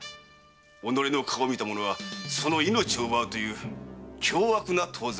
己の顔を見た者はその命を奪うという凶悪な盗賊です。